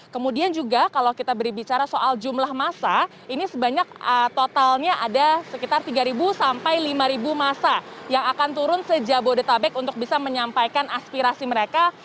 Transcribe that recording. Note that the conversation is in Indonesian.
kemudian juga kalau kita berbicara soal jumlah masa ini sebanyak totalnya ada sekitar tiga sampai lima masa yang akan turun sejabodetabek untuk bisa menyampaikan aspirasi mereka